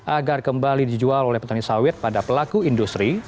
agar kembali dijual oleh petani sawit pada pelaku industri